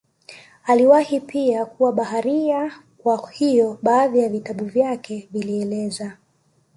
Aliwahi pia kuwa baharia kwa hiyo baadhi ya vitabu vyake vilieleza